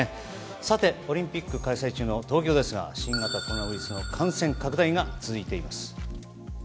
さて、オリンピック開催中の東京ですが新型コロナウイルスの感染拡大が続いています。